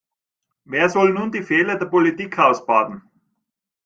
Wer soll nun die Fehler der Politik ausbaden?